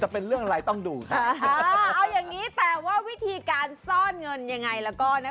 อ๋อเพราะว่าไปทำคลิกเมนต์มา